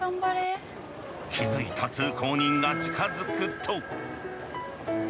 気付いた通行人が近づくと。